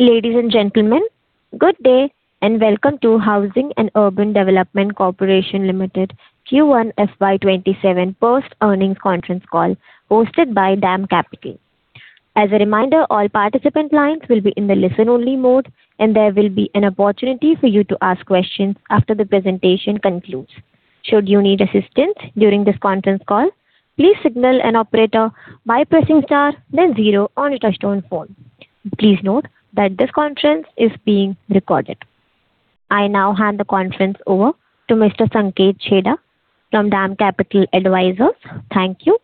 Ladies and gentlemen, good day and welcome to Housing and Urban Development Corporation Limited Q1 FY 2027 Post-Earnings Conference Call hosted by DAM Capital. As a reminder, all participant lines will be in the listen-only mode, there will be an opportunity for you to ask questions after the presentation concludes. Should you need assistance during this conference call, please signal an operator by pressing star then zero on your touchtone phone. Please note that this conference is being recorded. I now hand the conference over to Mr. Sanket Chheda from DAM Capital Advisors. Thank you,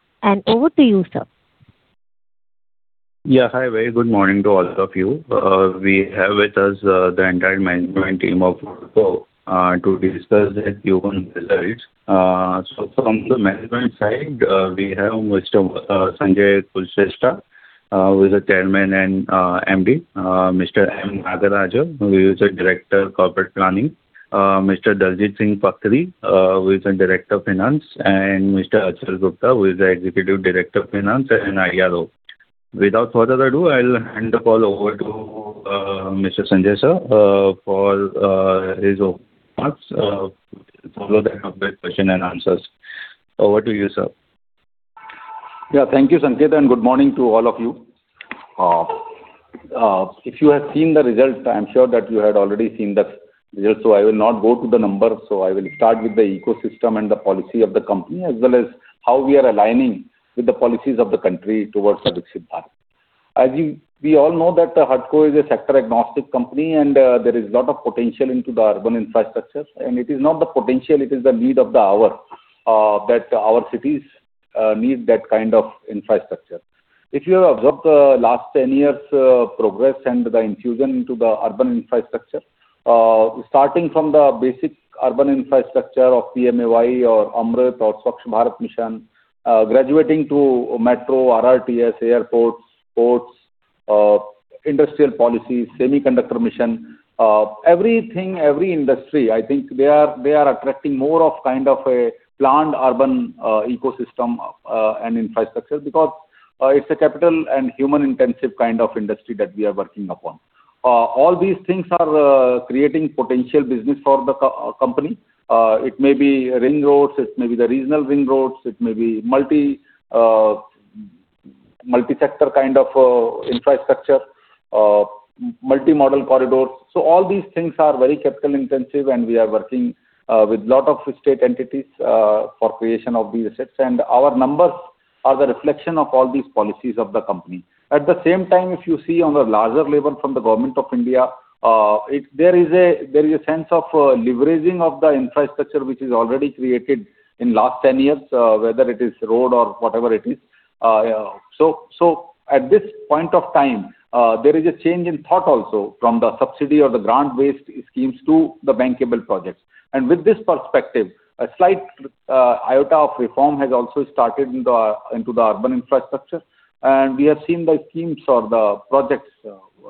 over to you, sir. Hi. Very good morning to all of you. We have with us the entire management team of HUDCO to discuss the Q1 results. From the management side, we have Mr. Sanjay Kulshrestha, who is the Chairman and MD; Mr. M. Nagaraj, who is the Director of Corporate Planning; Mr. Daljeet Singh Khatri, who is the Director of Finance; Mr. Achal Gupta, who is the Executive Director of Finance and IRO. Without further ado, I'll hand the call over to Mr. Sanjay, sir, for his opening remarks. Followed by question and answers. Over to you, sir. Thank you, Sanket, good morning to all of you. If you have seen the results, I'm sure that you had already seen the results, I will not go to the numbers. I will start with the ecosystem and the policy of the company, as well as how we are aligning with the policies of the country towards Aatmanirbhar. As we all know that HUDCO is a sector-agnostic company, there is a lot of potential into the urban infrastructure. It is not the potential, it is the need of the hour that our cities need that kind of infrastructure. If you have observed the last 10 years' progress and the infusion into the urban infrastructure, starting from the basic urban infrastructure of PMAY or AMRUT or Swachh Bharat Mission, graduating to metro, RRTS, airports, ports, industrial policies, semiconductor mission. Everything, every industry, I think they are attracting more of a planned urban ecosystem and infrastructure because it's a capital and human-intensive kind of industry that we are working upon. All these things are creating potential business for the company. It may be ring roads, it may be the regional ring roads, it may be multi-sector kind of infrastructure, multi-model corridors. All these things are very capital intensive, we are working with lot of state entities for creation of these assets. Our numbers are the reflection of all these policies of the company. At the same time, if you see on a larger level from the Government of India, there is a sense of leveraging of the infrastructure which is already created in last 10 years, whether it is road or whatever it is. At this point of time, there is a change in thought also from the subsidy or the grant-based schemes to the bankable projects. With this perspective, a slight iota of reform has also started into the urban infrastructure. We have seen the schemes or the projects.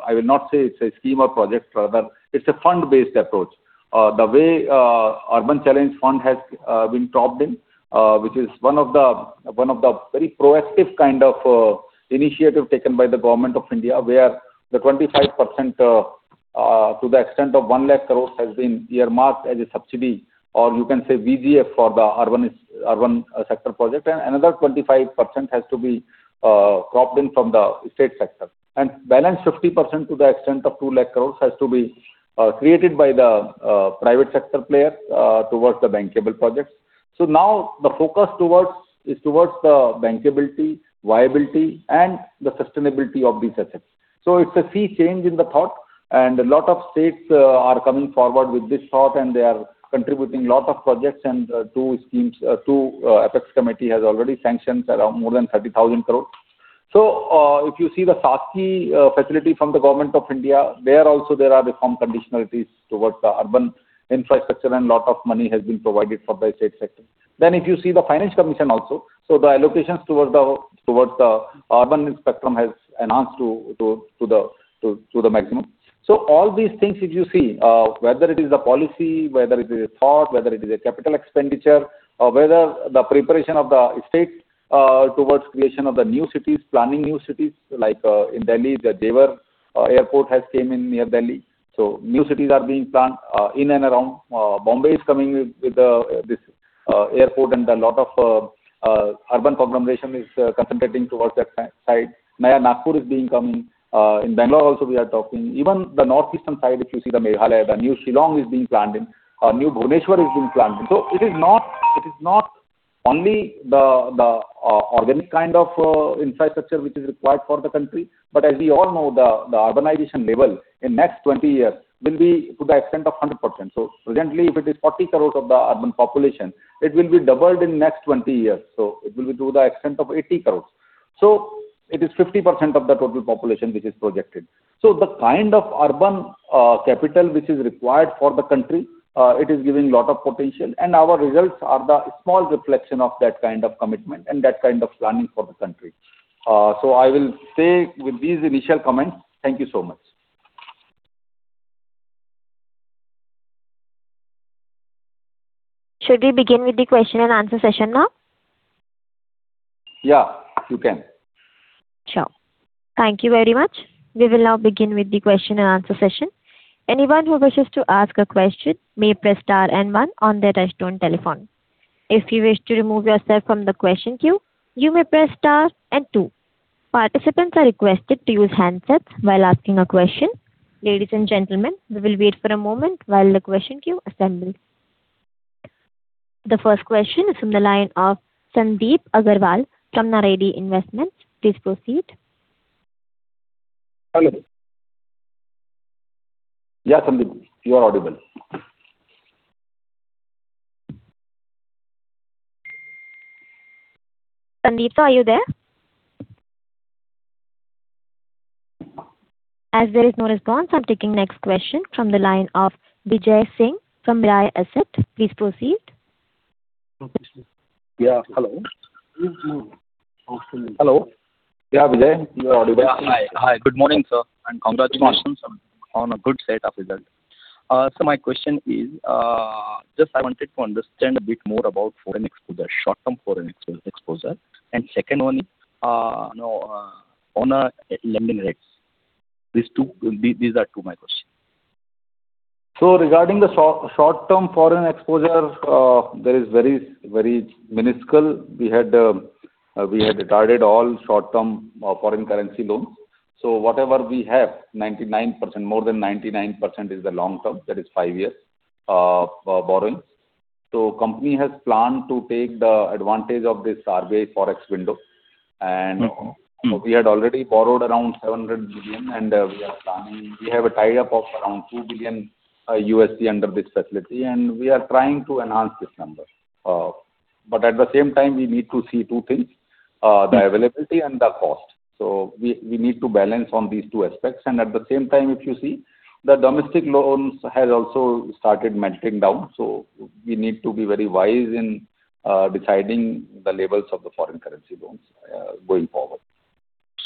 I will not say it's a scheme or project. Rather, it's a fund-based approach. The way Urban Challenge Fund has been propped in, which is one of the very proactive kind of initiative taken by the Government of India, where the 25% to the extent of 1 lakh crore has been earmarked as a subsidy, or you can say VGF for the urban sector project, and another 25% has to be propped in from the state sector. Balance 50% to the extent of 2 lakh crore has to be created by the private sector player towards the bankable projects. Now the focus is towards the bankability, viability, and the sustainability of these assets. It's a sea change in the thought, and a lot of states are coming forward with this thought, and they are contributing lots of projects and two apex committee has already sanctioned around more than 30,000 crore. If you see the SASCI facility from the Government of India, there also there are reform conditionalities towards the urban infrastructure, and lot of money has been provided for by state sector. If you see the Finance Commission also. The allocations towards the urban spectrum has enhanced to the maximum. All these things, if you see, whether it is the policy, whether it is a thought, whether it is a capital expenditure, or whether the preparation of the state towards creation of the new cities, planning new cities, like in Delhi, the Jewar Airport has came in near Delhi. New cities are being planned in and around. Bombay is coming with this airport, and a lot of urban conurbation is concentrating towards that side. Naya Nagpur is being coming. In Bangalore also, we are talking. Even the northeastern side, if you see the Meghalaya, the new Shillong is being planned in. New Bhubaneswar is being planned in. It is not only the organic kind of infrastructure which is required for the country, but as we all know, the urbanization level in next 20 years will be to the extent of 100%. Presently, if it is 40 crore of the urban population, it will be doubled in next 20 years. It will be to the extent of 80 crore. It is 50% of the total population which is projected. The kind of urban capital which is required for the country, it is giving lot of potential, and our results are the small reflection of that kind of commitment and that kind of planning for the country. I will stay with these initial comments. Thank you so much. Should we begin with the question and answer session now? Yeah, you can. Sure. Thank you very much. We will now begin with the question and answer session. Anyone who wishes to ask a question may press star and one on their touchtone telephone. If you wish to remove yourself from the question queue, you may press star and two. Participants are requested to use handsets while asking a question. Ladies and gentlemen, we will wait for a moment while the question queue assembles. The first question is from the line of Sandeep Agarwal from Naredi Investment. Please proceed. Hello. Yeah, Sandeep. You are audible. Sandeep, are you there? As there is no response, I'm taking the next question from the line of Vijay Singh from Mirae Asset. Please proceed. Yeah. Hello? Hello. Yeah, Vijay, you are audible. Yeah. Hi. Good morning, sir, and congratulations on a good set of results. My question is, just I wanted to understand a bit more about foreign exposure, short-term foreign exposure. Second one, on our lending rates. These are two my questions. Regarding the short-term foreign exposure, that is very minuscule. We had retarded all short-term foreign currency loans. Whatever we have, more than 99% is the long-term, that is five-year borrowings. Company has planned to take the advantage of this RBI Forex window and. We had already borrowed around $700 million, we have a tie-up of around $2 billion under this facility, and we are trying to enhance this number. At the same time, we need to see two things. The availability and the cost. We need to balance on these two aspects, at the same time, if you see, the domestic loans has also started melting down. We need to be very wise in deciding the levels of the foreign currency loans going forward.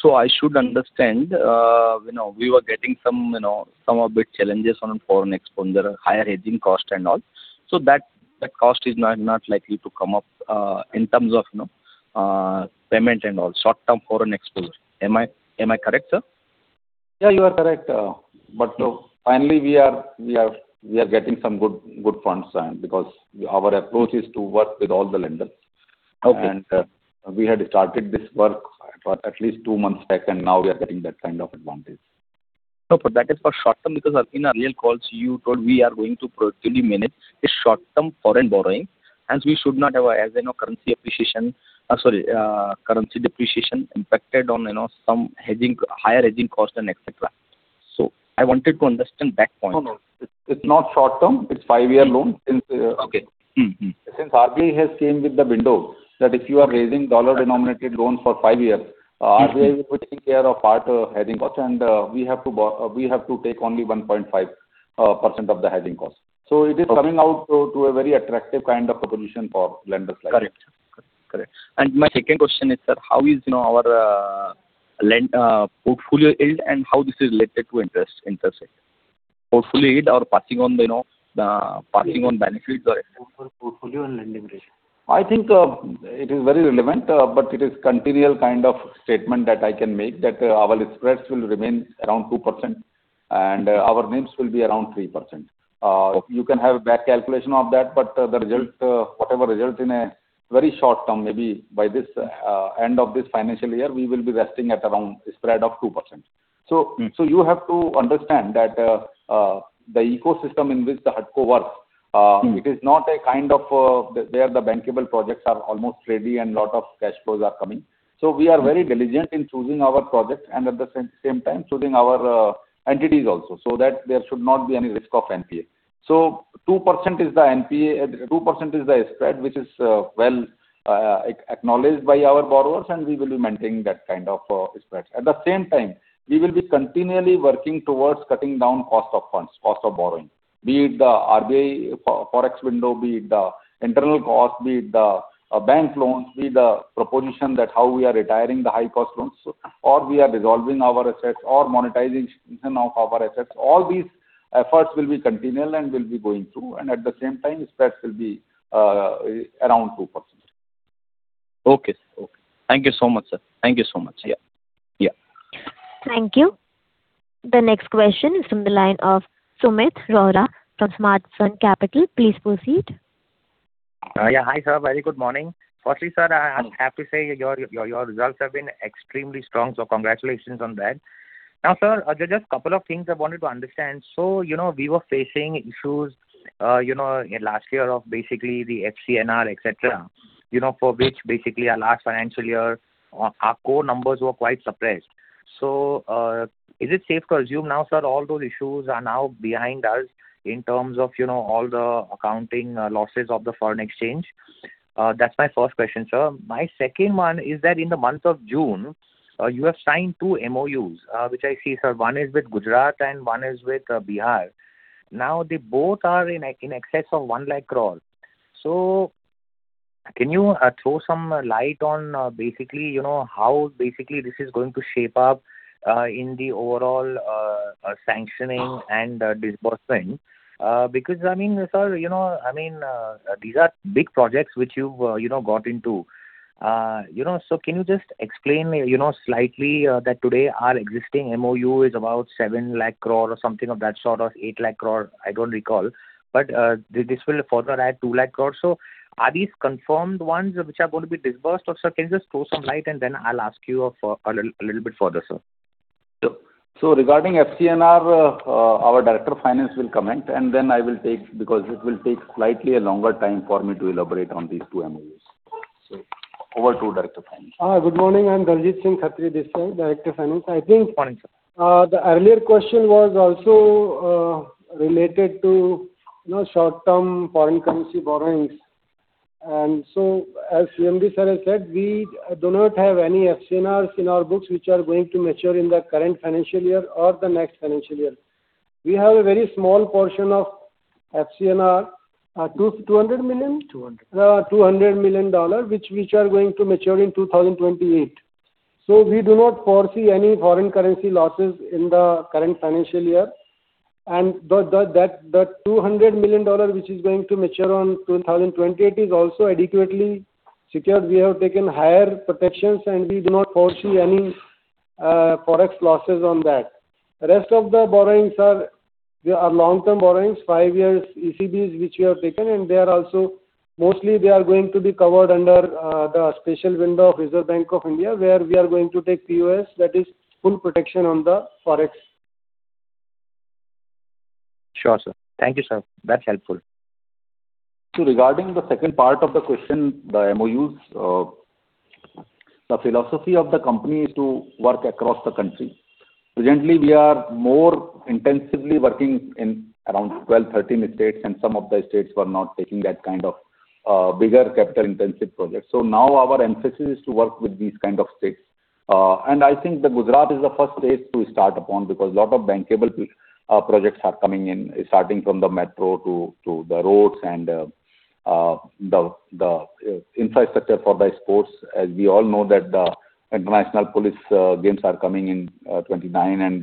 I should understand, we were getting some of bit challenges on foreign exposure, higher hedging cost and all. That cost is not likely to come up in terms of payment and all short-term foreign exposure. Am I correct, sir? Yeah, you are correct. Finally, we are getting some good funds because our approach is to work with all the lenders. Okay. We had started this work at least two months back, and now we are getting that kind of advantage. That is for short-term, because in our real calls, you told we are going to proactively manage a short-term foreign borrowing as we should not have, as you know, currency depreciation impacted on some higher hedging cost and et cetera. I wanted to understand that point. It's not short-term. It's five-year loan since RBI has come with the window that if you are raising dollar-denominated loans for five years. RBI will be taking care of part hedging cost and we have to take only 1.5% of the hedging cost. It is coming out to a very attractive kind of a proposition for lenders like us. Correct. My second question is, sir, how is our portfolio yield and how this is related to interest rate? Portfolio yield or passing on benefits or. Portfolio and lending ratio. I think it is very relevant, it is continual kind of statement that I can make, that our spreads will remain around 2% and our NIMs will be around 3%. You can have back calculation of that, whatever results in a very short-term, maybe by end of this financial year, we will be resting at around spread of 2%. You have to understand that the ecosystem in which the HUDCO works. It is not a kind of where the bankable projects are almost ready and lot of cash flows are coming. We are very diligent in choosing our projects and at the same time choosing our entities also, so that there should not be any risk of NPA. 2% is the spread, which is well acknowledged by our borrowers and we will be maintaining that kind of spread. At the same time, we will be continually working towards cutting down cost of funds, cost of borrowing. Be it the RBI Forex window, be it the internal cost, be it the bank loans, be it the proposition that how we are retiring the high cost loans, or we are dissolving our assets or monetizing some of our assets. All these efforts will be continual and will be going through, and at the same time, spreads will be around 2%. Okay. Thank you so much, sir. Yeah. Thank you. The next question is from the line of Sumit Rohra from Smartsun Capital. Please proceed. Hi, sir. Very good morning. Firstly, sir, I am happy to say your results have been extremely strong, so congratulations on that. Now, sir, just couple of things I wanted to understand. We were facing issues last year of basically the FCNR, et cetera, for which basically our last financial year, our core numbers were quite suppressed. Is it safe to assume now, sir, all those issues are now behind us in terms of all the accounting losses of the foreign exchange? That is my first question, sir. My second one is that in the month of June, you have signed two MoUs, which I see, sir. One is with Gujarat and one is with Bihar. They both are in excess of 1 lakh crore. Can you throw some light on how basically this is going to shape up in the overall sanctioning and disbursement? Sir, these are big projects which you have got into. Can you just explain slightly that today our existing MoU is about 7 lakh crore or something of that sort, or 8 lakh crore, I do not recall, but this will further add 2 lakh crore. Are these confirmed ones which are going to be disbursed? Or, sir, can you just throw some light and then I will ask you a little bit further, sir. Regarding FCNR, our Director of Finance will comment, I will take, because it will take slightly a longer time for me to elaborate on these two MoUs. Over to Director, Finance. Good morning. I'm Daljeet Singh Khatri. This side, Director, Finance. Morning, sir. I think the earlier question was also related to short-term foreign currency borrowings. As CMD sir has said, we do not have any FCNRs in our books which are going to mature in the current financial year or the next financial year. We have a very small portion of FCNR, $200 million? $200 million. $200 million which are going to mature in 2028. We do not foresee any foreign currency losses in the current financial year. The $200 million which is going to mature on 2028 is also adequately secured. We have taken higher protections, and we do not foresee any Forex losses on that. Rest of the borrowings are long-term borrowings, five years ECBs, which we have taken, and mostly they are going to be covered under the special window of Reserve Bank of India, where we are going to take POS, that is full protection on the Forex. Sure, sir. Thank you, sir. That's helpful. Regarding the second part of the question, the MoUs, the philosophy of the company is to work across the country. Presently, we are more intensively working in around 12, 13 states, some of the states were not taking that kind of bigger capital-intensive project. Now our emphasis is to work with these kind of states. I think that Gujarat is the first state to start upon because lot of bankable projects are coming in, starting from the metro to the roads and the infrastructure for the sports. As we all know that the International Police Games are coming in 2029,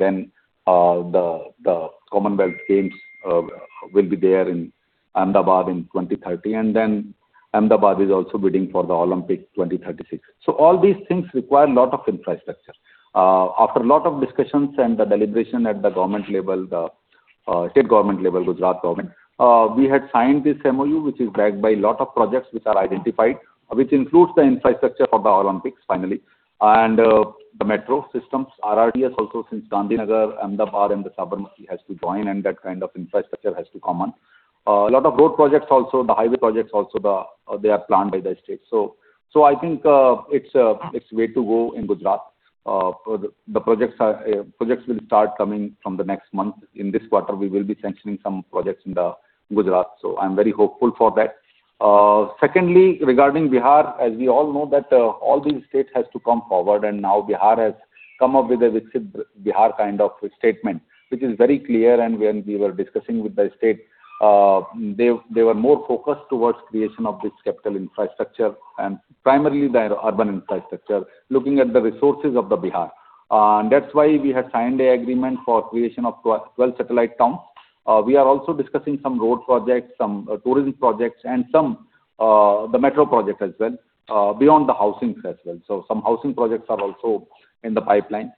the Commonwealth Games will be there in Ahmedabad in 2030, Ahmedabad is also bidding for the Olympics 2036. All these things require lot of infrastructure. After lot of discussions and the deliberation at the government level, the state government level, Gujarat government, we had signed this MoU, which is backed by lot of projects which are identified, which includes the infrastructure for the Olympics, finally, and the metro systems, RRTS also since Gandhinagar, Ahmedabad, and the Sabarmati has to join and that kind of infrastructure has to come on. Lot of road projects also, the highway projects also, they are planned by the state. I think it's way to go in Gujarat. The projects will start coming from the next month. In this quarter, we will be sanctioning some projects in the Gujarat, so I'm very hopeful for that. Secondly, regarding Bihar, as we all know that all these states has to come forward, now Bihar has come up with a Visit Bihar kind of statement, which is very clear. When we were discussing with the state, they were more focused towards creation of this capital infrastructure and primarily the urban infrastructure, looking at the resources of Bihar. That's why we had signed an agreement for creation of 12 satellite towns. We are also discussing some road projects, some tourism projects, and the metro project as well, beyond the housings as well. Some housing projects are also in the pipeline.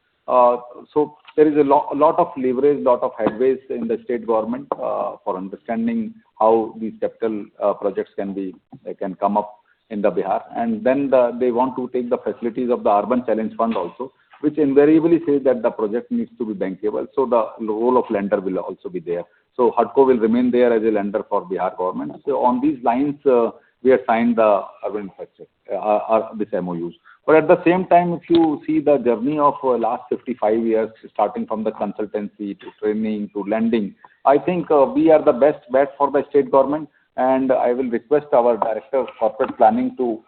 There is a lot of leverage, lot of headways in the state government, for understanding how these capital projects can come up in Bihar. They want to take the facilities of the Urban Challenge Fund also, which invariably says that the project needs to be bankable. The role of lender will also be there. HUDCO will remain there as a lender for Bihar government. On these lines, we have signed this MoU. At the same time, if you see the journey of last 55 years, starting from the consultancy to training to lending, I think we are the best bet for the state government, and I will request our Director of Corporate Planning to,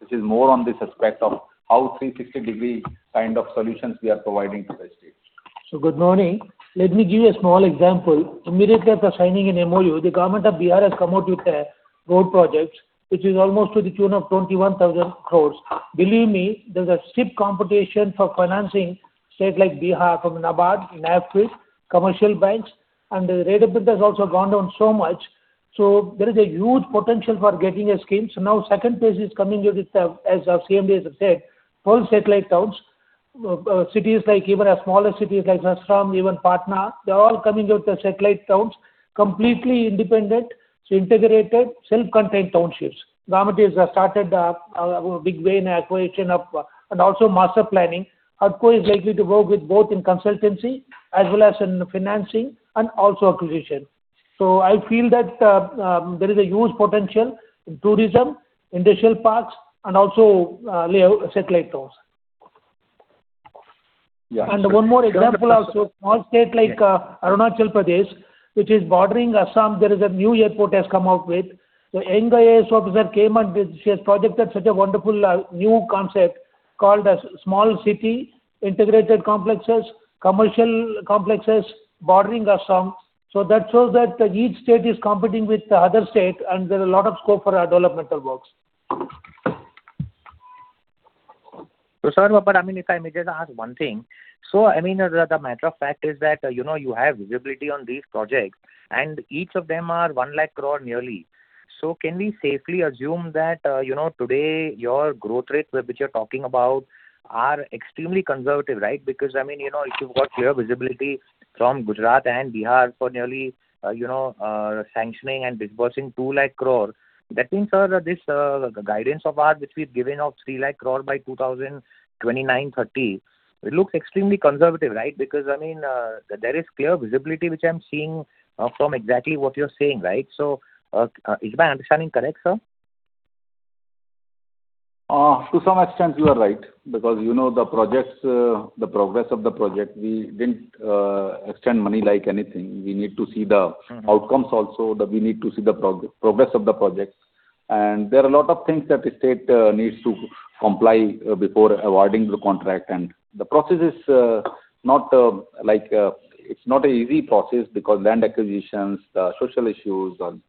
which is more on the subject of how 360 degree kind of solutions we are providing to the state. Good morning. Let me give you a small example. Immediately after signing an MoU, the Government of Bihar has come out with a road project which is almost to the tune of 21,000 crore. Believe me, there's a stiff competition for financing states like Bihar from NABARD, NaBFID, commercial banks, and the rate of bid has also gone down so much. There is a huge potential for getting a scheme. Now second phase is coming with itself, as our CMD has said, whole satellite towns. Even smaller cities like Assam, even Patna, they're all coming with the satellite towns, completely independent, integrated, self-contained townships. Government has started a big way in acquisition and also master planning. HUDCO is likely to work with both in consultancy as well as in financing and also acquisition. I feel that there is a huge potential in tourism, industrial parks and also satellite towns. Yeah. One more example also, small state like Arunachal Pradesh, which is bordering Assam. There is a new airport has come out with. The young IAS officer came and she has projected such a wonderful new concept called as small city integrated complexes, commercial complexes bordering a town. That shows that each state is competing with the other state, and there's a lot of scope for developmental works. Sir, if I may just ask one thing. The matter of fact is that you have visibility on these projects, and each of them are 1 lakh crore nearly. Can we safely assume that today your growth rates which you're talking about are extremely conservative, right? Because if you've got clear visibility from Gujarat and Bihar for nearly sanctioning and disbursing 2 lakh crore, that means, sir, this guidance of ours which we've given of 3 lakh crore by 2029-2030 looks extremely conservative, right? Because there is clear visibility which I'm seeing from exactly what you're saying, right? Is my understanding correct, sir? To some extent you are right, because the progress of the project, we didn't extend money like anything. We need to see the outcomes also. We need to see the progress of the projects. There are a lot of things that the state needs to comply before awarding the contract. The process is not an easy process because land acquisitions, the social issues, and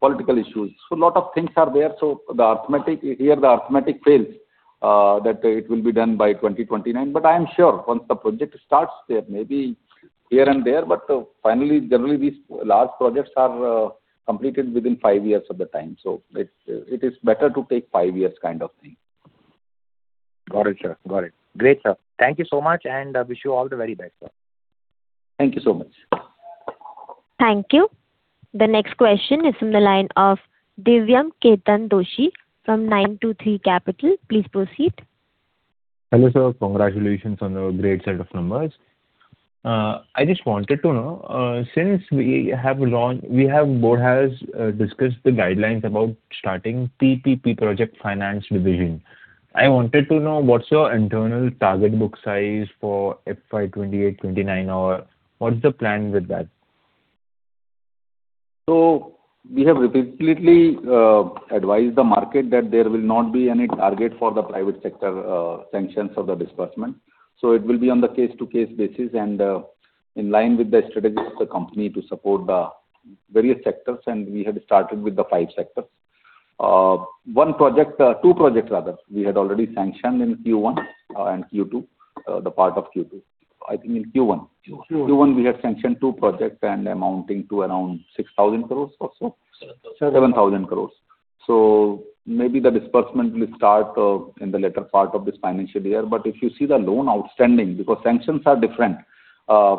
political issues. A lot of things are there. Here the arithmetic fails that it will be done by 2029. I am sure once the project starts, there may be here and there, but finally, generally these large projects are completed within five years of the time. It is better to take five years kind of thing. Got it, sir. Great, sir. Thank you so much, and wish you all the very best, sir. Thank you so much. Thank you. The next question is from the line of Divyam Ketan Doshi from 9To3 Capital. Please proceed. Hello, sir. Congratulations on the great set of numbers. I just wanted to know, since board has discussed the guidelines about starting PPP Project Finance Division. I wanted to know what's your internal target book size for FY 2028, 2029, or what's the plan with that? We have repeatedly advised the market that there will not be any target for the private sector sanctions of the disbursement. It will be on the case-to-case basis and in line with the strategy of the company to support the various sectors, and we have started with the five sectors. Two projects we had already sanctioned in Q1 and Q2, the part of Q2. I think in Q1. Q1. Q1 we had sanctioned two projects amounting to around 6,000 crore or so. 7,000 crore. INR 7,000 crore. Maybe the disbursement will start in the latter part of this financial year. If you see the loan outstanding, because sanctions are different.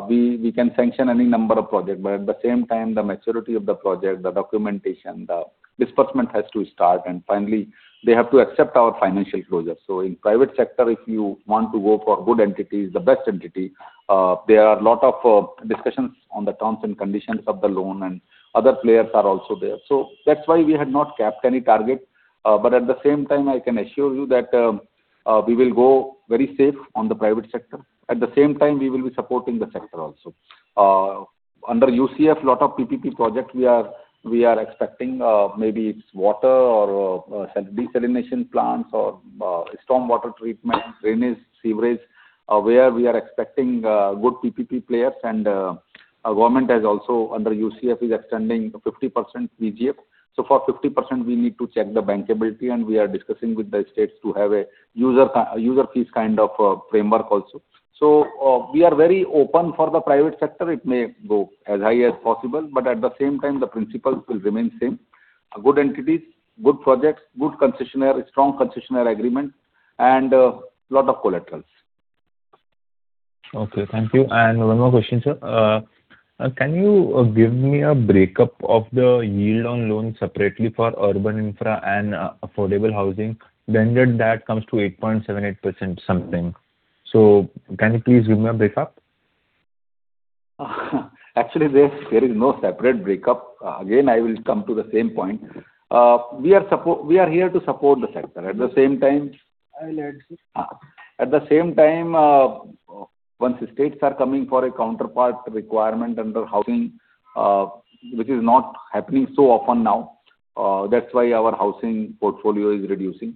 We can sanction any number of projects, but at the same time, the maturity of the project, the documentation, the disbursement has to start, and finally, they have to accept our financial closure. In private sector, if you want to go for good entities, the best entity, there are a lot of discussions on the terms and conditions of the loan and other players are also there. That's why we had not kept any target. At the same time, I can assure you that we will go very safe on the private sector. At the same time, we will be supporting the sector also. Under UCF, lot of PPP projects we are expecting, maybe it's water or desalination plants or stormwater treatment, drainage, sewerage, where we are expecting good PPP players and government has also, under UCF, is extending 50% VGF. For 50%, we need to check the bankability, and we are discussing with the states to have a user fees kind of framework also. We are very open for the private sector. It may go as high as possible, but at the same time, the principles will remain same. Good entities, good projects, good concessionaire, strong concessionaire agreement, and lot of collaterals. Okay. Thank you. One more question, sir. Can you give me a breakup of the yield on loans separately for urban infra and affordable housing? That comes to 8.78% something. Can you please give me a breakup? Actually, there is no separate breakup. Again, I will come to the same point. We are here to support the sector. At the same time-- I'll add, sir. At the same time, once states are coming for a counterpart requirement under housing, which is not happening so often now, that's why our housing portfolio is reducing.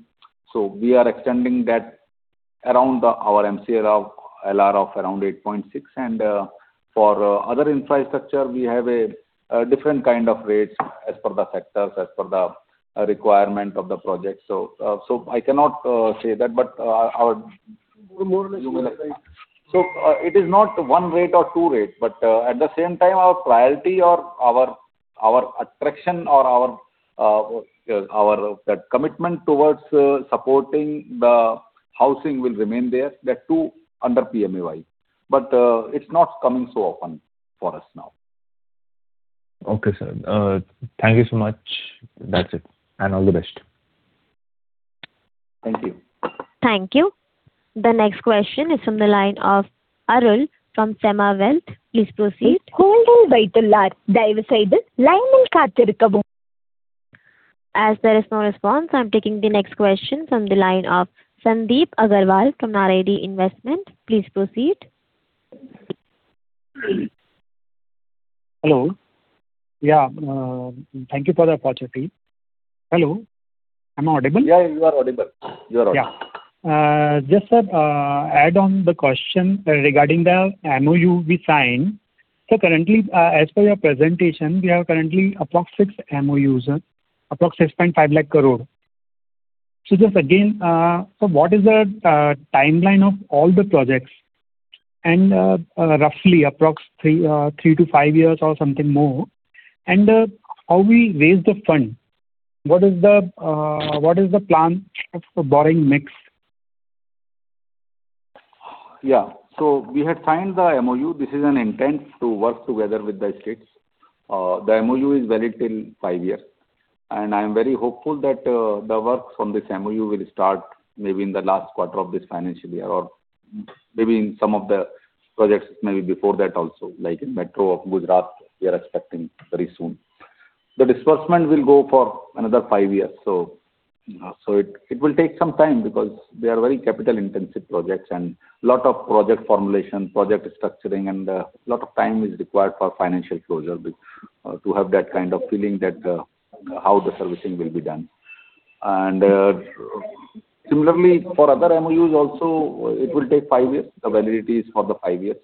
We are extending that around our MCLR of around 8.6% and for other infrastructure, we have a different kind of rates as per the sectors, as per the requirement of the project. I cannot say that, but our-- More or less. It is not one rate or two rates, but at the same time, our priority or our attraction or our commitment towards supporting the housing will remain there. That too under PMAY. It's not coming so often for us now. Okay, sir. Thank you so much. That's it. All the best. Thank you. Thank you. The next question is from the line of Arul from Ksema Wealth. Please proceed. As there is no response, I'm taking the next question from the line of Sandeep Agarwal from Naredi Investment. Please proceed. Hello. Yeah. Thank you for the opportunity. Hello. Am I audible? Yeah, you are audible. Yeah. Just to add on the question regarding the MoU we signed. Sir, as per your presentation, we have currently approx six MoUs, approx 6.5 lakh crore. Just again, sir, what is the timeline of all the projects? Roughly approx three to five years or something more. How we raise the fund. What is the plan of the borrowing mix? We had signed the MoU. This is an intent to work together with the states. The MoU is valid till five years. I am very hopeful that the works on this MoU will start maybe in the last quarter of this financial year, or maybe in some of the projects maybe before that also, like in Metro of Gujarat, we are expecting very soon. The disbursement will go for another five years. It will take some time because they are very capital-intensive projects and lot of project formulation, project structuring, and lot of time is required for financial closure, to have that kind of feeling that how the servicing will be done. Similarly, for other MoUs also, it will take five years. The validity is for the five years.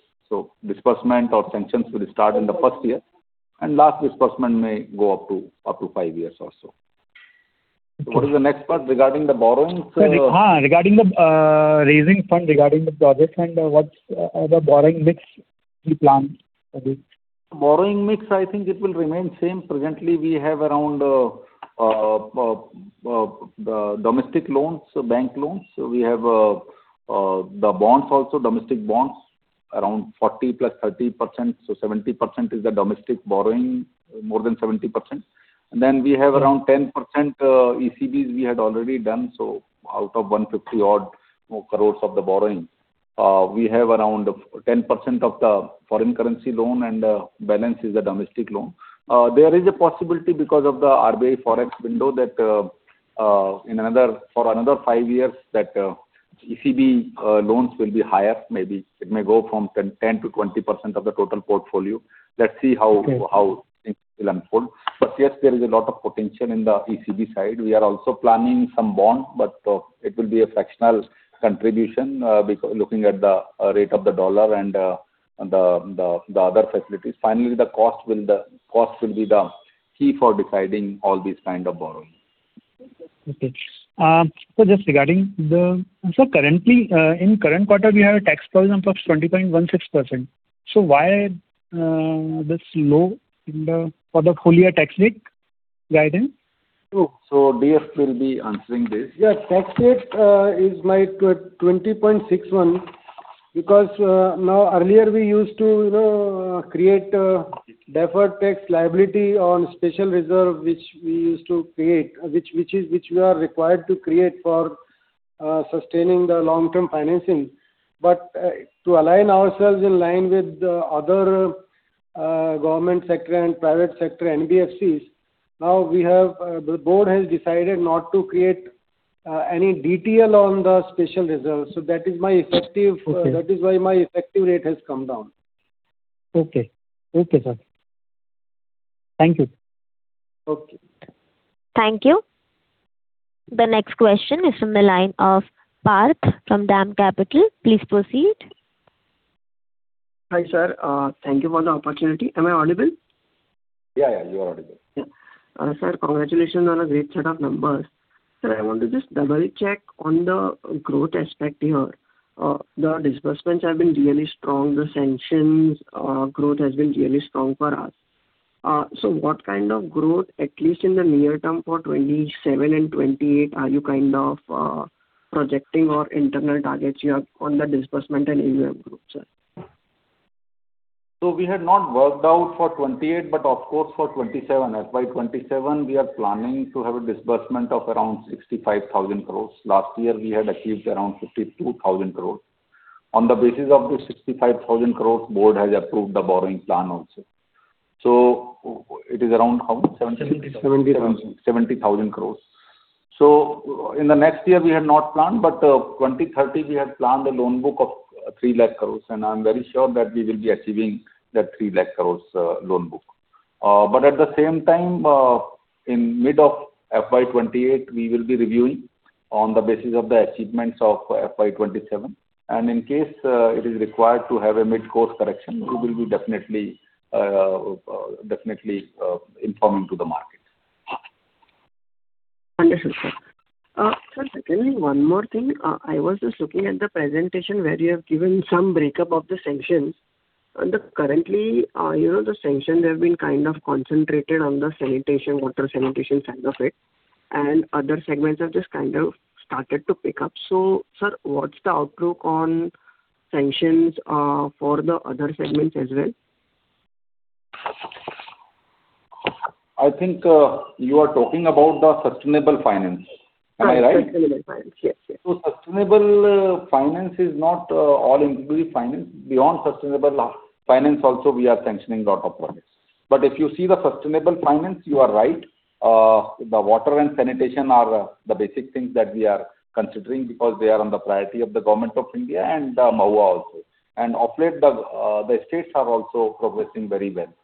Disbursement or sanctions will start in the first year, and last disbursement may go up to five years or so. What is the next part regarding the borrowings? Regarding the raising fund, regarding the project and what's the borrowing mix we plan? Borrowing mix, I think it will remain same. Presently, we have around the domestic loans, bank loans. We have the bonds also, domestic bonds, around 40% + 30%, so 70% is the domestic borrowing, more than 70%. Then we have around 10% ECBs we had already done. Out of 150 crore-odd of the borrowing, we have around 10% of the foreign currency loan and the balance is a domestic loan. There is a possibility because of the RBI Forex window that for another five years, that ECB loans will be higher, maybe. It may go from 10%-20% of the total portfolio. Let's see how things will unfold. Yes, there is a lot of potential in the ECB side. We are also planning some bond, but it will be a fractional contribution, looking at the rate of the dollar and the other facilities. Finally, the cost will be the key for deciding all these kind of borrowings. Okay. Sir, currently, in current quarter, we have a tax for approx 20.16%. Why this low for the full year tax rate guidance? DF will be answering this. Yes. Tax rate is like 20.61% because, now earlier we used to create deferred tax liability on special reserve, which we are required to create for sustaining the long-term financing. To align ourselves in line with the other government sector and private sector NBFCs, now the board has decided not to create any DTL on the special reserve. That is why my effective rate has come down. Okay. Okay, sir. Thank you. Okay. Thank you. The next question is from the line of Parth from DAM Capital. Please proceed. Hi, sir. Thank you for the opportunity. Am I audible? Yeah, you are audible. Sir, congratulations on a great set of numbers. Sir, I want to just double-check on the growth aspect here. The disbursements have been really strong. The sanctions growth has been really strong for us. What kind of growth, at least in the near term for 2027 and 2028, are you kind of projecting or internal targets you have on the disbursement and AUM growth, sir? We had not worked out for 2028, but of course, for 2027. FY 2027, we are planning to have a disbursement of around 65,000 crore. Last year, we had achieved around 52,000 crore. On the basis of the 65,000 crore, board has approved the borrowing plan also. It is around how much? 70,000 crore. INR 70,000 crore. In the next year, we have not planned, but 2030, we had planned a loan book of 3 lakh crore, and I'm very sure that we will be achieving that 3 lakh crore loan book. At the same time, in mid of FY 2028, we will be reviewing on the basis of the achievements of FY 2027. In case it is required to have a mid-course correction, we will be definitely informing to the market. Understood, sir. Sir, secondly, one more thing. I was just looking at the presentation where you have given some breakup of the sanctions. Currently, the sanctions have been kind of concentrated on the water sanitation side of it, and other segments have just kind of started to pick up. Sir, what's the outlook on sanctions for the other segments as well? I think you are talking about the sustainable finance. Am I right? Yes. Sustainable finance is not all inclusive finance. Beyond sustainable finance also, we are sanctioning lot of projects. If you see the sustainable finance, you are right. The water and sanitation are the basic things that we are considering because they are on the priority of the Government of India and MoHUA also. Off late, the states are also progressing very well.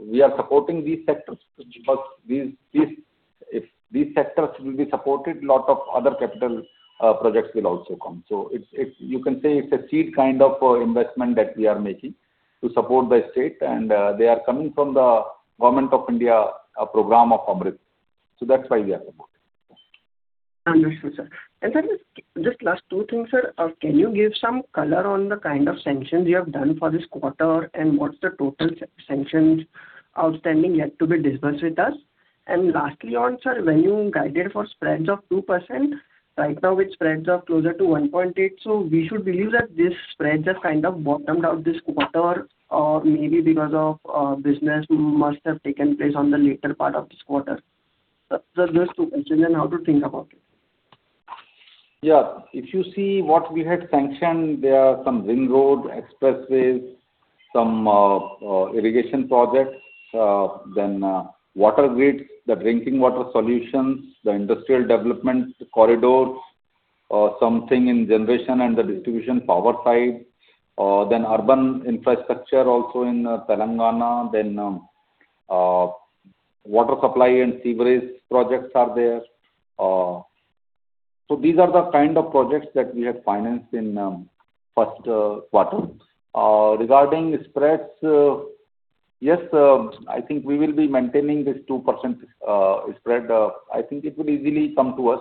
We are supporting these sectors because if these sectors will be supported, lot of other capital projects will also come. You can say it's a seed kind of investment that we are making to support the state, and they are coming from the Government of India program of AMRUT. That's why we are supporting. Understood, sir. Just last two things, sir. Can you give some color on the kind of sanctions you have done for this quarter, and what's the total sanctions outstanding yet to be disbursed with us? Lastly on, sir, when you guided for spreads of 2%, right now it spreads up closer to 1.8%. We should believe that this spread has kind of bottomed out this quarter or maybe because of business must have taken place on the later part of this quarter. Sir, just two questions and how to think about it. Yeah. If you see what we had sanctioned, there are some ring road, expressways, some irrigation projects, water grids, the drinking water solutions, the industrial development corridors, something in generation and the distribution power side. Urban infrastructure also in Telangana. Water supply and sewerage projects are there. These are the kind of projects that we have financed in first quarter. Regarding spreads, yes, I think we will be maintaining this 2% spread. I think it will easily come to us.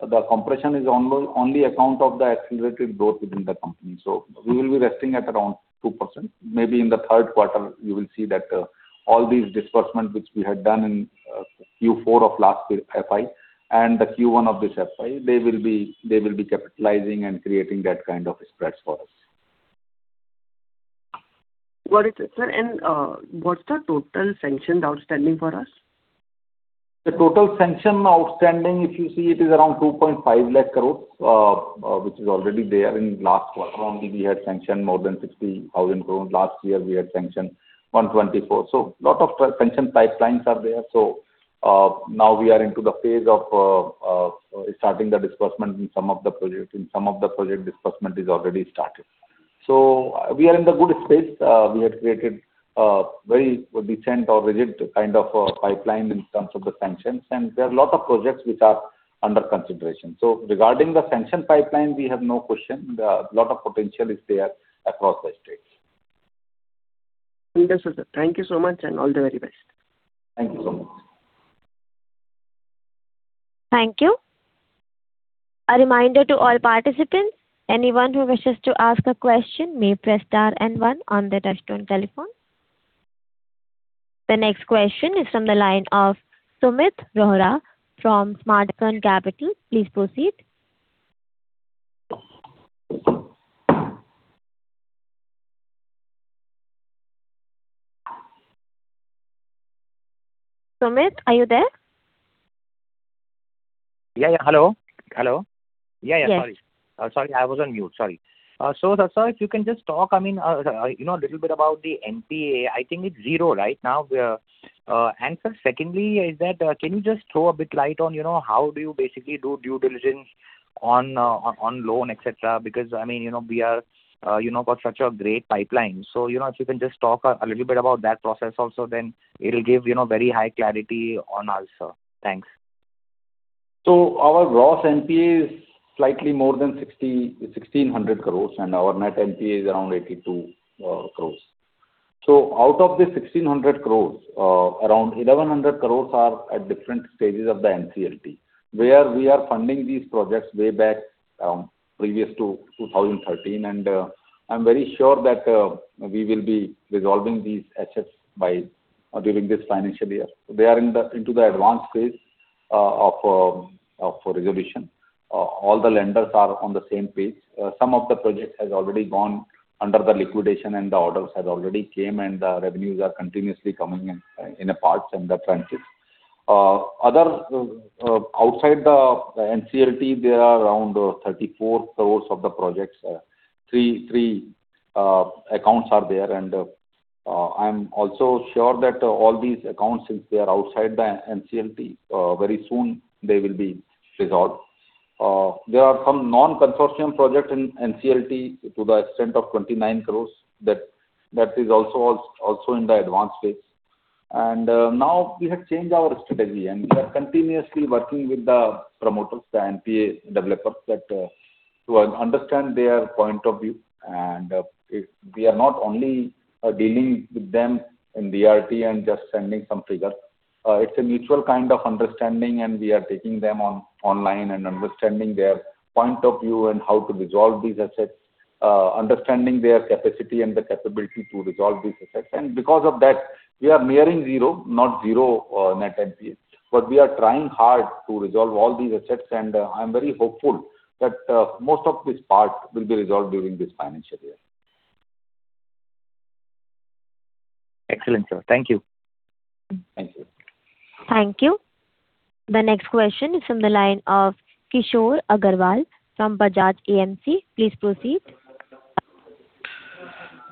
The compression is on only account of the accelerated growth within the company. We will be resting at around 2%. Maybe in the third quarter, you will see that all these disbursements, which we had done in Q4 of last FY and the Q1 of this FY, they will be capitalizing and creating that kind of spreads for us. Got it, sir. What's the total sanction outstanding for us? The total sanction outstanding, if you see it, is around 2.5 lakh crores, which is already there. In last quarter only, we had sanctioned more than 60,000 crores. Last year we had sanctioned 1.24 lakh crores. Lot of sanction pipelines are there. Now we are into the phase of starting the disbursement in some of the projects. In some of the project, disbursement is already started. We are in the good space. We had created a very decent or rigid kind of a pipeline in terms of the sanctions, and there are lot of projects which are under consideration. Regarding the sanction pipeline, we have no question. A lot of potential is there across the states. Understood, sir. Thank you so much, all the very best. Thank you so much. Thank you. A reminder to all participants, anyone who wishes to ask a question may press star and one on their touchtone telephone. The next question is from the line of Sumit Rohra from Smartsun Capital. Please proceed. Sumit, are you there? Yeah. Hello. Yes. Yeah, sorry. I was on mute. Sorry. Sir, if you can just talk a little bit about the NPA. I think it's zero right now. Sir, secondly is that, can you just throw a bit light on how do you basically do due diligence on loan, et cetera? Because we got such a great pipeline. If you can just talk a little bit about that process also, then it'll give very high clarity on us, sir. Thanks. Our gross NPA is slightly more than 1,600 crore, and our net NPA is around 82 crore. Out of the 1,600 crore, around 1,100 crore are at different stages of the NCLT, where we are funding these projects way back previous to 2013. I'm very sure that we will be resolving these assets during this financial year. They are into the advanced phase of resolution. All the lenders are on the same page. Some of the projects has already gone under the liquidation and the orders had already came, and the revenues are continuously coming in parts and the trenches. Outside the NCLT, there are around 34 crore of the projects. Three accounts are there, I'm also sure that all these accounts, since they are outside the NCLT, very soon they will be resolved. There are some non-consortium project in NCLT to the extent of 29 crore. That is also in the advanced phase. Now we have changed our strategy, and we are continuously working with the promoters, the NPA developers to understand their point of view. We are not only dealing with them in DRT and just sending some figure. It's a mutual kind of understanding, and we are taking them online and understanding their point of view and how to resolve these assets, understanding their capacity and the capability to resolve these assets. Because of that, we are nearing zero, not zero net NPA. We are trying hard to resolve all these assets, I'm very hopeful that most of this part will be resolved during this financial year. Excellent, sir. Thank you. Thank you. Thank you. The next question is from the line of Kishore Agarwal from Bajaj AMC. Please proceed.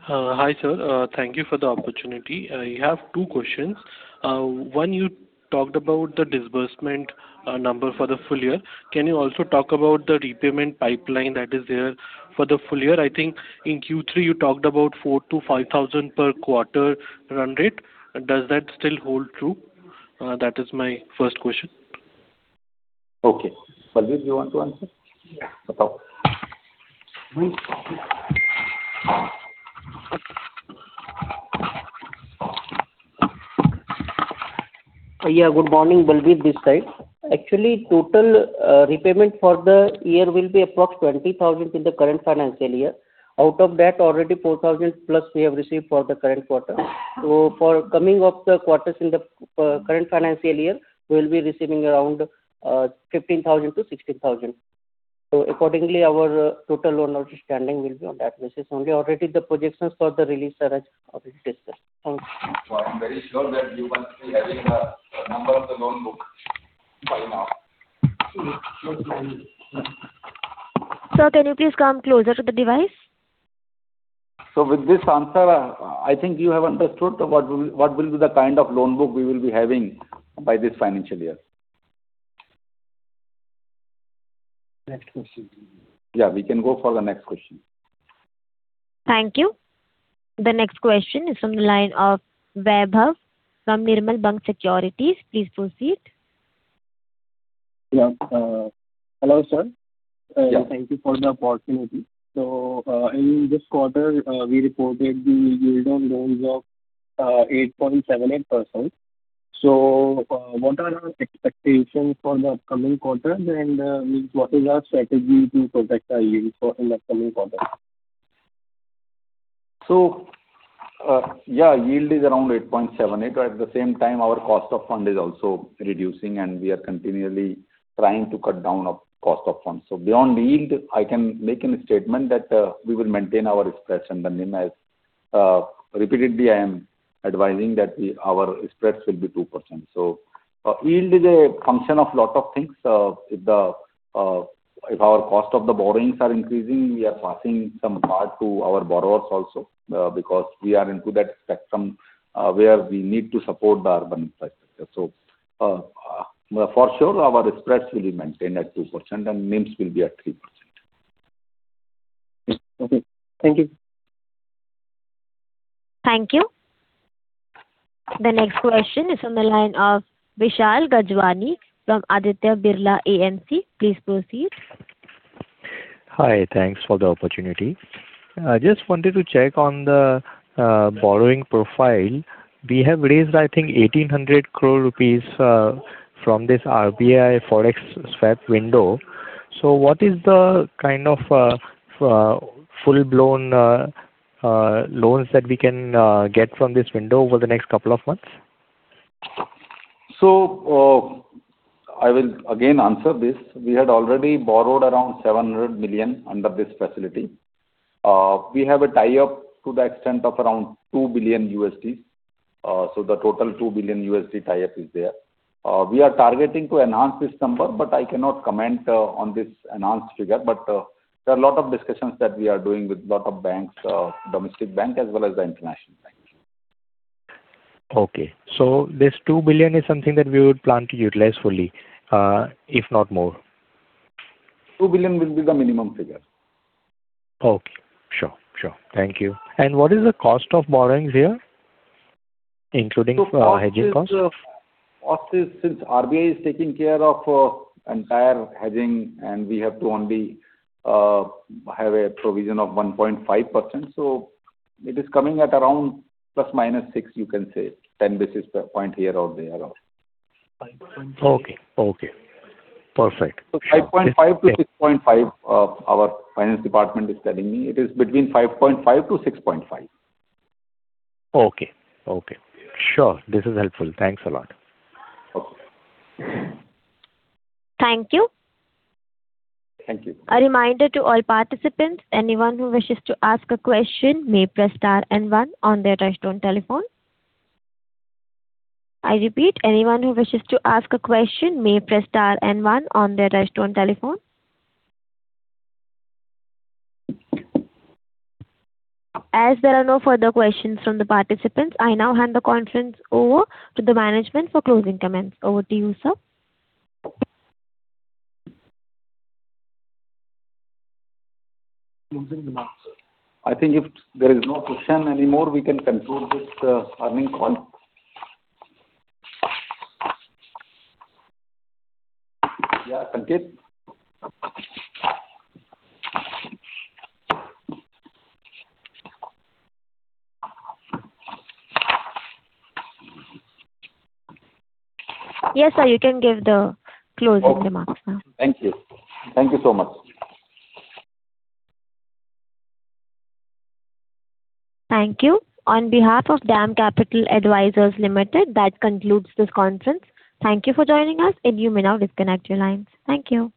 Hi, sir. Thank you for the opportunity. I have two questions. One, you talked about the disbursement number for the full year. Can you also talk about the repayment pipeline that is there for the full year? I think in Q3, you talked about 4,000-5,000 per quarter run rate. Does that still hold true? That is my first question. Okay. Balbir, do you want to answer? Yeah. Okay. Yeah. Good morning, Balbir this side. Actually, total repayment for the year will be approx 20,000 in the current financial year. Out of that, already 4,000+ we have received for the current quarter. Accordingly, for coming up quarters in the current financial year, we will be receiving around 15,000-16,000. Accordingly, our total loan outstanding will be on that basis only. Already, the projections for the release are as already discussed. Thank you. I'm very sure that you must be having a number of the loan book by now. Sir, can you please come closer to the device? With this answer, I think you have understood what will be the kind of loan book we will be having by this financial year. Next question. We can go for the next question. Thank you. The next question is from the line of Vaibhav from Nirmal Bang Securities. Please proceed. Hello, sir. Yeah. Thank you for the opportunity. In this quarter, we reported the yield on loans of 8.78%. What are our expectations for the upcoming quarters and what is our strategy to protect our yield for in the coming quarters? Yield is around 8.78%. At the same time, our cost of funds is also reducing, and we are continually trying to cut down cost of funds. Beyond yield, I can make a statement that we will maintain our spreads, as I am repeatedly advising that our spreads will be 2%. Yield is a function of a lot of things. If our cost of borrowings are increasing, we are passing some part to our borrowers also because we are into that spectrum where we need to support the urban infrastructure. For sure, our spreads will be maintained at 2% and NIMs will be at 3%. Okay. Thank you. Thank you. The next question is from the line of Vishal Gajwani from Aditya Birla AMC. Please proceed. Hi. Thanks for the opportunity. I just wanted to check on the borrowing profile. We have raised, I think, 1,800 crores rupees from this RBI Forex swap window. What is the kind of full-blown loans that we can get from this window over the next couple of months? I will again answer this. We had already borrowed around $700 million under this facility. We have a tie-up to the extent of around $2 billion. The total $2 billion tie-up is there. We are targeting to enhance this number, but I cannot comment on this enhanced figure. There are a lot of discussions that we are doing with lot of banks, domestic bank as well as the international banks. Okay. This $2 billion is something that we would plan to utilize fully, if not more. $2 billion will be the minimum figure. Okay. Sure. Thank you. What is the cost of borrowings here, including hedging cost? Cost is since RBI is taking care of entire hedging and we have to only have a provision of 1.5%. It is coming at around ±6%, you can say, 10 basis points here or there. Okay. Perfect. 5.5%-6.5%, our finance department is telling me. It is between 5.5%-6.5%. Okay. Sure. This is helpful. Thanks a lot. Okay. Thank you. Thank you. A reminder to all participants, anyone who wishes to ask a question may press star and one on their touchtone telephone. I repeat, anyone who wishes to ask a question may press star and one on their touchtone telephone. As there are no further questions from the participants, I now hand the conference over to the management for closing comments. Over to you, sir. I think if there is no question anymore, we can conclude this earnings call. Yeah, Sanket. Yes, sir. You can give the closing remarks now. Thank you. Thank you so much. Thank you. On behalf of DAM Capital Advisors Limited, that concludes this conference. Thank you for joining us, and you may now disconnect your lines. Thank you.